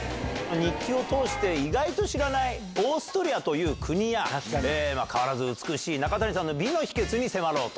日記を通して、意外と知らないオーストリアという国や、変わらず美しい中谷さんの美の秘けつに迫ろうと。